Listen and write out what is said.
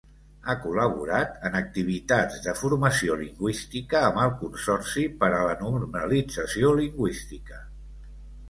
Ha col·laborat en activitats de formació lingüística amb el Consorci per a la Normalització Lingüística.